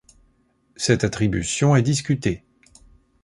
Cette attribution est discutée.